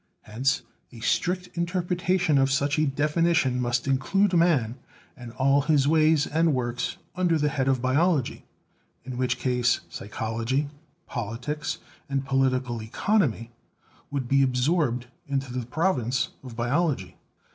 Hence, a strict interpretation of such a definition must include man and all his ways and works under the head of biology ; in which case, psychology, politics, and political economy would be absorbed into the province of Biology.